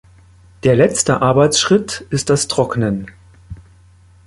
Der letzte Arbeitsschritt ist das Trocknen.